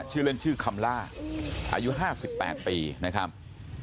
ชื่อเล่นชื่อคำล่าอายุ๕๘ปีนะครับ